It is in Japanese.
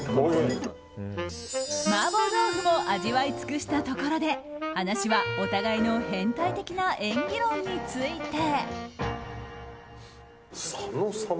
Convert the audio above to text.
麻婆豆腐も味わい尽くしたところで話は、お互いの変態的な演技論について。